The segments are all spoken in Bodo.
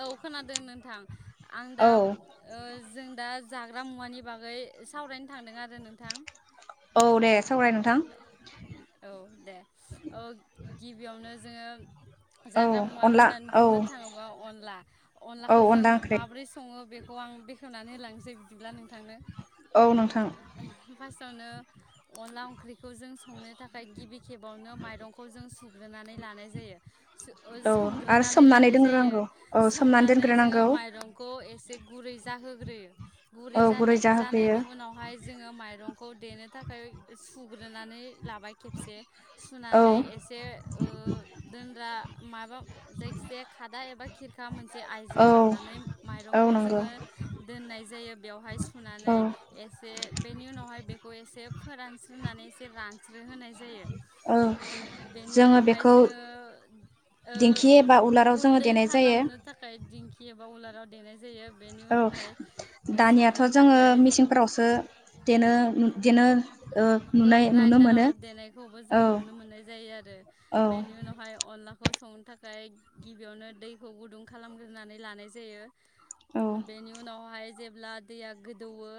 औ खोनादों। थां आं दा ओ जों दा जाग्रा मुवानि बागै सावरायनो थांदों आरो। आरो नोंथां। सावराय नोंथां। औ दे ओ गिबियावनो जोङो जाग्रा मुवा होननानै बुंनो थाङोबा अनला अनलाखौ जों माबोरै सङो बेखौ खौ आं बेखेवनानै होलांसै बिदिब्ला नोंथांनो औ नोंथां। आवनो अनला ओंख्रिखौ जों संनो थाखाय गिबि खेबावनो माइरंखौ जों सुग्रोनानै लानाय जायो, सोम सोमग्रोनानै लानाय जायो, सोमनानै जोङो माइरंखौ एसे एसे गुरै जाहोग्रोयो गुरै जाने जानायनि उनावहाय जोङो माइरं खौ देनो थाखाय फुग्रोनानै लाबाय खेबसे। सुनानै एसे ओ दोनग्रा माबा जायखिजाया खादा एबा खिर खा मोनसे आइजें लानानै माइरंखौ जोङो दोननाय जायो, बेवहाय सुनानै एसे बेनि उनावहाय बे खौ एसे फोरान सुनानैसे रानस्रो होनाय जायो बेनि उनावहाय जो ओ गुन्दै खालामनो थाखाय दिंखि एबा उ देनाय जायो। औ दानियाथ' जोङो मेचिनफोरावसो देनो देनो। औ ग्राइन्दाराव देनायखौबो जों नुनो मोननाय जायो आरो बेनि उनावहाय अनला। खौ संनो थाखाय गिबियावनो दैखौ गुदुं खालामग्रोनानै लानाय जायो। बेनि उनावहाय। जेब्ला दैया गोदौवो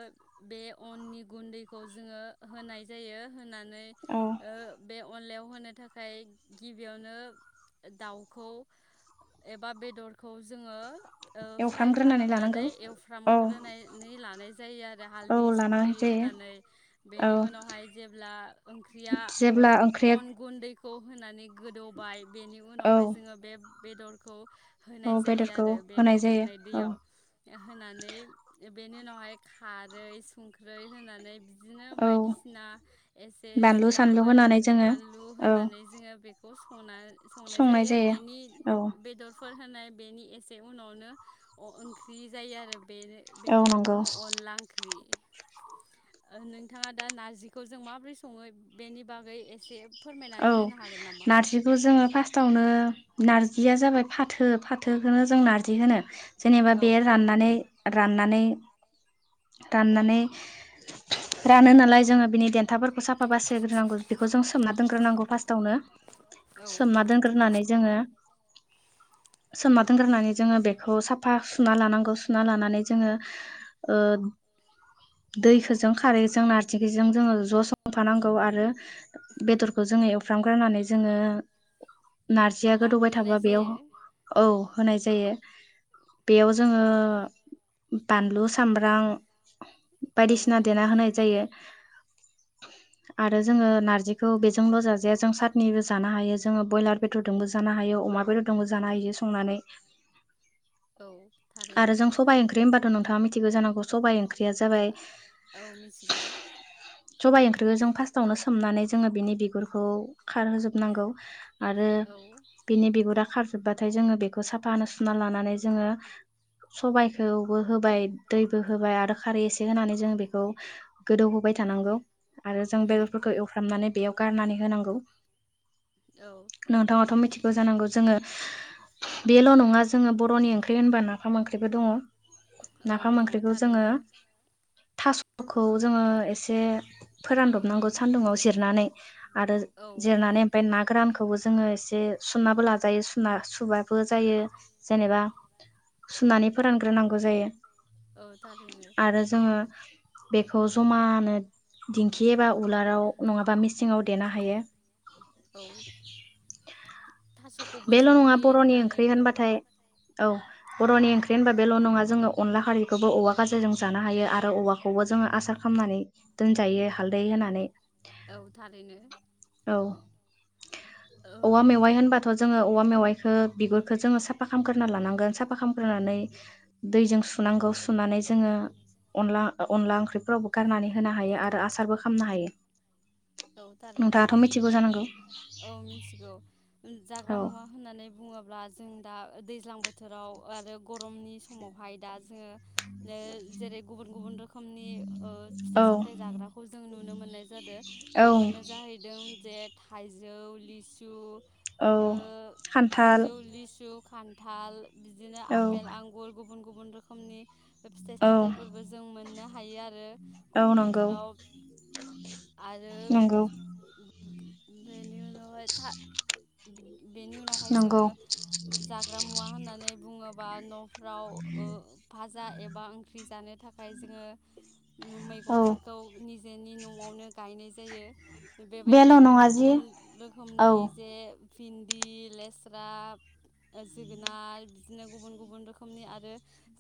बे अननि गुन्दैखौ जोङो। होनाय जायो होना नै ओ बे अनलायाव होनो थाखाय गिबियावनो दाउखौ एबा बेदरखौ जोङो। ओ फ्राय खालामनानै एवफ्रामग्रोनानै लानाय जायो आरो हालदै संख्रि होनानै। बेनि उनावहाय जेब्ला ओंख्रिया ओ अन गुन्दै। दैखौ होनानै। गोदौबाय बेनि उनावहाय जोङो बे बेदरखौ। होनाय जायो आरो बे गोदौनाय दैयाव होनानै बेनि उनावहाय खारै संख्रै होनानै बि बिदिनो बायदिसिना एसे जिराफोर बानलु होननानै जोङो बे बसना। संनाय जायो बेनि बेदर फोर होनाय बेनि एसे उनावनो अ ओंख्रि जायो आरो। बेनो बेखौनो बुङो अनला ओंख्रि। ओ नोंथाङा दा नार्जिखौ जों माबोरै सङो बेनि बागै एसे औ नारजिखौ जोङो फार्स्टावनो नारज जिया जाबाय फाथो-फाथो होनो जों नारजि होनो। जेनेबा बे राननानै-राननानै। राननानै रानो नालाय जोङो बिनि देननथाफोरखौ सोमनानै दोनांगौ बेखौ जों सोमना दोनग्रोनांगौ फार्स्टआवनो सना दोनग्रोनानै जोङो। सोमना दोनग्रोनानै जोङो बेखौ साफा सुना लानांगौ सुना लानानै जोङो ओ दैखोजों खारैजों नारजिखिजों जोङो ज' संफानांगौ आरो। बेदरखौ जोङो एवफ्रामग्रोनानै जोङो। नारजिआ गोदौबाय थाबा बेयाव औ। होनाय जायो बेयाव जोङो बानलु सामब्राम। बायदिसिना देना होनाय जायो। आरो जोङो नारजि। जोंल' जाजाया जों सारनिबो जानो हायो जोङो बयलार बेददजोंबो जानो हायो अमा बेददजोंबो जानो हायो संनानै। आरो जों सबाइ ओंख्रि होनबाथ' नोंथाङा मिथिगौ जानांगौ सबाइ ओंख्रिया जाबाय सबाइ ओंख्रिखौ जों फार्स्टआवनो सोमनानै ज जोङो बिनि बिगुरखौ खारहोजोबनांगौ आरो बिनि बिगुरा खार जोब्बाथाय जोङो बेखौ साफ होना सुना लानानै जोङो सबायाइखौबो होबाय दैबो होबाय आरो खारै एसे होनानै जों बेखौ गोदौहोबाय थानांगौ। आरो जों बेदरफोरखौ एव बेयाव गारनानै होनांगौ नोंथाङाथ' मिथिगौ जानांगौ जोङो बेल' नङा जोङो बर'नि ओंख्रि होनबा नाफाम ओंख्रिबो दङ नाफाम ओंख्रिखौ जोङो थास'खौ जोङो एसे फोरानदबनांगौ सानदुंङाव सेर जिरनानै आरो जिरनानै ओमफ्राय ना गोरानखौ जोङो एसे सुनानै साबो लाजायो सु सुबाबो जायो जेनेबा सुनानै फोरानग्रोनांगौ जायो आरो जोङो बेखौ जमानो दिंखि एबा उलाराव नङाबा मिेसिङाव देनो हायो बेल' नङा बर'नि ओंख्रि होनबाथाय औ बर'नि ओंख्रि होनबा बेल' नङा। जोङो अनला खारैखौबो औवा गाज्रिजों जानो हायो आरो औवाखौबो जोङो आसार खालामनानै दोनजायो हालदै होनानै। औ थारैनो औ औवा मेवाइ होनबाथ' जोङो औवा मेवाइखौ बिगुरखौ जोंङो साफा खालामग्रोना लानांगोन साफा खालामख्रोनानै दैजों सुनांगौ सुनानै जोंङो अनला ओ अनला ओंख्रिफोरावबो गारनानै होनो हायो आरो आसारबो खालामनो हायो औ थारैनो औ मिथिगौ ओ जाग्रा मुवा होन्नानै बु बुंङोब्ला जों दा दैज्लां बोथोराव आरो गरमनि समावहाय दा जोंङो जे जेरै गुबुन गुबुन रोखोमनि ओ फिथाइ सामथायाइ जाग्राखौ जों नुनो मोननाय जादो। बेफोरनो जाहैदों जे थाइजौ लिसु औ खान्थाल खान्थाल बिदिनो आफेल आंगुर गुब गुबुन गुबुन रोखोमनि फिथाइ सामथफोरबो जों मोननो हायो आरो गरम बोथोराव आ नंगौ बेनि उनावहाय था बिनि उनावहाय जोंङो जाग्रा मुवा होननानै बुंङो बा न'फ्राव ओ भाजा एबा ओंख्रि जानो थाखाय जोंङो ओम मैगंफोरखौ निजेनि न'आवनो गायनाय जायो बेबायदिनो गुबुन गुबुन रोखोमनि जे भिन्दि लेस्रा ओ जोगोनार बिदिनो गुबुन गुबुन रोखोमनि आरो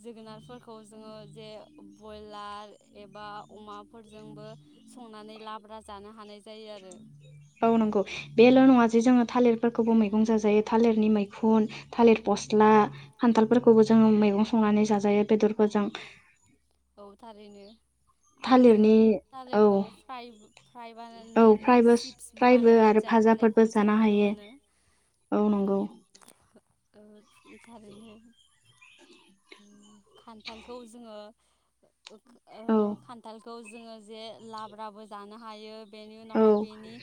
जोगोनारफोरखौ जोंङो जे बयलार एबा अमाफोरजोंबो संनानै लाब्रा जानो हानाय जायो आरो औ नंगौ बेल' नंङा जे जोंङो थालिरफोरखौबो मै गं जाजायो थालिरनि मैखुन थालिर फस्ला खान्थालफोरखौबो जोङो मैगं संनानै जाजायो बेदरफोरजों औ थारैनो आरो जोङो थालिरखौ फ्राय फ्राय बानायनानै चिप्सबो बानायनानै जानो हानायखौ जों नुनो मोनो ओ थारैनो [inaudible] खान्थालखौ जोंङो ओख ओ खान्थालखो जोङो जे लाब्राबो जानो हायो बेनि उनावहाय बेनि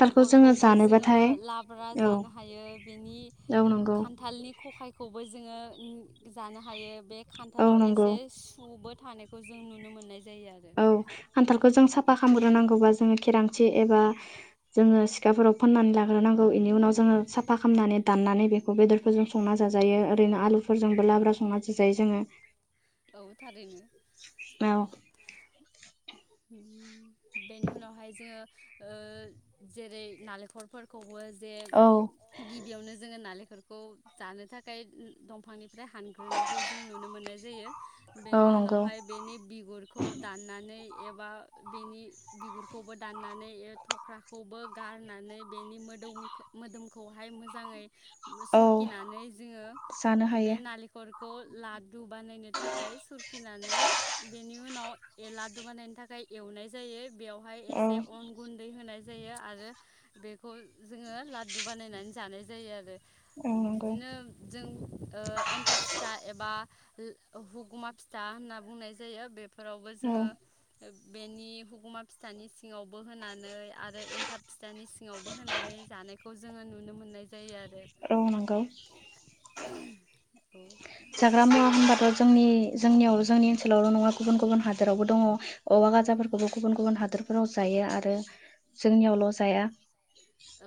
बेगरखौबो जोङो लाब्रा जानो हायो बिनि खान्थालनि खखायखौ बो जोङो उम जानो हायो बे खान्थालाव एसे सुबो थानायखौ जों नुनो मोननाय औ खान्थालखौ जों साफा खामग्रोनांगो खौबा जोङो खेरानसि एबा जोङो सिखाफोराव फोननानै लाग्रोनांगौ इनि उनाव जोङो साफा खामनानै दाननानै बेखौ बेदरफोरजों संना जाजायो ओरैनो आलुफोरजोंबो लाब्रा संना जाजायो जोङो औ थारैनो बेनि उनावहाय जोङो ओ जेरै नालेखरफोरखौबो जे गिबियावनो जोङो नाले खरखौ जानो थाखाय उम दंफांनिफ्राय हानग्रोनायखौ जों नुनो मोननाय जायो बेनि उनावहाय बेनि बिगुरखौ दा नानै एबा बिनि बिगुरखौबो दाननानै ओ थख्राखौबो गारनानै बेनि मोदोम मोदोमखौहाय मोजाङै सुरखिनानै जोङो बे नालेखर खौ लादु बानायनो थाखाय सुरखिनानै बेनि उनाव ए लादु बानायनो थाखाय एवनाय जायो बेवहाय एसे अन गुन्दै होनाय जायो आरो बेखौ जोङो लादु बानायनानै जानाय जायो आरो। बिदिनो जों ओ एन्थाब फिथा एबा हुगुमा फिथा होनना बुंनाय जायो बेफोरावबो जोङो बेनि हुगुमा फिथानि सिङावबो होनानै आरो एन्थाब फिथानि सिङावबो होनानै जानायखौ जोङो नुनो मोननाय औ नंगौ जाग्रा मुवा होनबाथ' जोंनि जोंनियाव जोंनि ओनसोलावल' नङा गुबुन गुबुन हादोरावबो दङ औवा गाजाफोरखौबो गुबुन गुबुन हादोरफोराव जायो आरो जोंनियावल' जाया।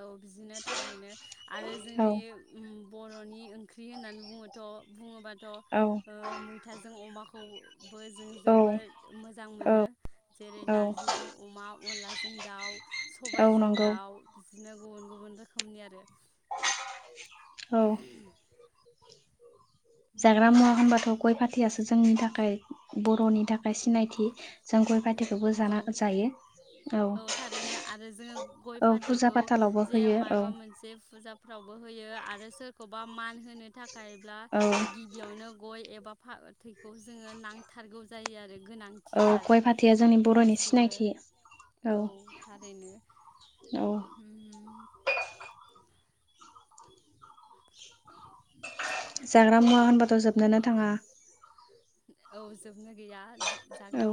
औ बिदिनो थारैनो आरो जों जोंनि उम। बर'नि ओंख्रि होननानै बुङोथ' बुङोबा थ' ओ मैथाजों अमाखौ औ। बो जों जोबोद मोजां मोनो जेरै नारजिजों अमा अनलाजों दाउ सबायजों दाउ बिदिनो गुबुन गुबुन रोखोमनि आरो। औ। जाग्रा मुवा होनबाथ' गय फाथैयासो जों जोंनि थाखाय बर'नि थाखाय सिनायथि जों गय फ औ औ थारैनो आरो जोङो गय फाथैखौ जे माबा मोनसे फुजाफोरावबो होयो आरो। आरो सोरखौबा मान होनो थाखाय खायब्ला गिबियावनो गय एबा फा थैखौ जोङो नांथारगौ जायो आरो। ओ खय फाथैया जों जोंनि बयनिसिबो औ थारैनो उम उम। जाग्रा मुवा होनबाथ' जोबनोनो थाङा। औ जोबनो गैया जो औ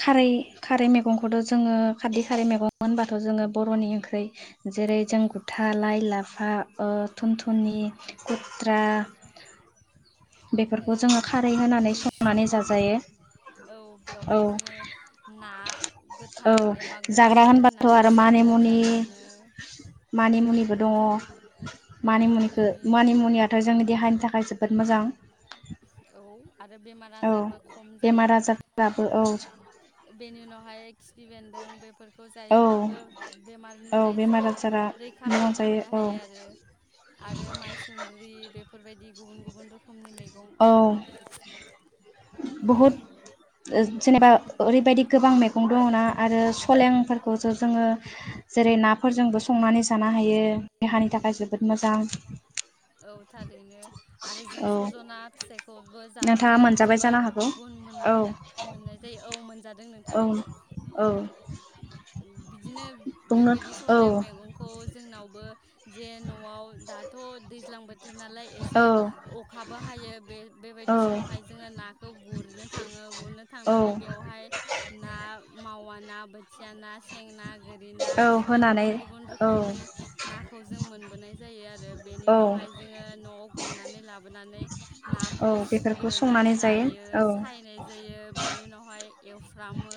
खारै खारै मैगं बेथ' जोङो खारदै खारै मैगं होनबाथ' जोङो बर'नि ओंख्रि जेरै जों गुथा लाइ लाफा औ थुनथुनि खुथ्रा ओ मैसुं औ बेवहाय जोंङो ना औ जाग्रा होनबाथ' आरो मानिमुनि मानिमुनिबो दंङ मानिमुनिखौ मानिमुनियाथ' जोंनि देहानि थाखाय जोबोद मोजां औ आरो बेमार आजारबो खम जायो बेनि उनावहाय खिफि बेन्दों बे बेफोरफोरखौ जायोब्लाबो बेमारनिफ्राय जोंङो रैखाखौ मोननो हायो आरो आरो माइसुंन्द्रि बेफोरबायदि गुबुन गुबुन रोखोमनि मैगं गं आरो बुहुद ओ जेनेबा ओरैबायदि गोबां मैगं दंङ ना आरो सलेंफोरखौसो जोंङो जेरै नाफोरजोंबो संनानै जानो हायो देहानि थाखाय जोबोद मोजां आरो जों सजना फिथाइखौबो जानानै जोबोर गुन मोननो मोन औ मोनजा जों नोंथां बिदिनो बेबायदि सलें मैगंखौ जोंनावबो जेन न' आव दाथ' दैज्लां दैज्लां बोथोर नालाय एसे अखा बो हायो बे बेबायदि समावहाय जोंङो नाखौ गुरनो थांङो गुरनो थांनानै बेयावहाय ना मावा ना बोथिया ना सें ना गोरि ना बिदिनो गुबुन गुबुन रोखोमनि नाखौ जों मोनबोनाय जायो आरो रो बेनि उनावहाय जोंङो न'आव गुरनानै लाबोनानै नाखौ सुग्रोनानै लायो सायनाय जायो बेनि उनाव हाय एवफ्रामो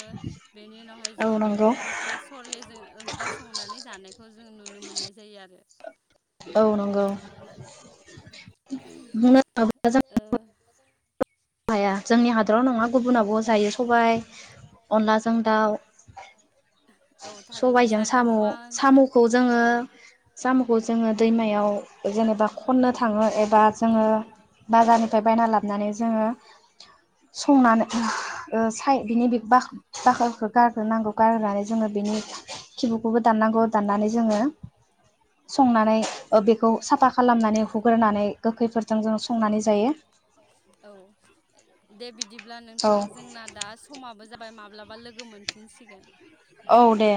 बेनि उनावहाय जोंङो बेखौ ओंख्रि सरले जोंङो ओंख्रि संनानै जानायखौ जों नुनो मोननाय जायो आरो औ नंगौ बुंनो [unintelligible] हाया जोंनि हादराव नंङा गुबुनावबो जायो सबाय अनलाजों दाउ सबायजों साम' साम'खौ जोङो साम'खौ जोङो दैमायाव जेनेबा खननो थाङो एबा जोङो बाजारनिफ्राय बायना लाबनानै जोङो संनानै ओ साइ बिनि बे बाख बाख्लाखो गारग्रोनांगौ गारनानै ओ बेनि खिबुखौबो दाननांगौ दाननानै जोङो संनानै ओ बेखौ साफा खालामनानै हुगोरनानै गोखैफोरजों जों संनानै जायो। बिदिब्ला थां जोंना दा समाबो जा बाय माब्लाबा लोगो मोनफिनसिगोन। औ दे।